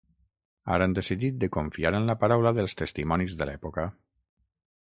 Ara han decidit de confiar en la paraula dels testimonis de l’època.